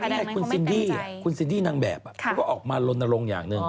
แต่ตอนนี้คุณซินดี้นางแบบก็ออกมาลนรงอย่างหนึ่ง